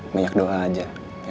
banyak doa aja